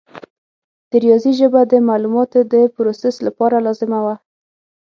د ریاضي ژبه د معلوماتو د پروسس لپاره لازمه وه.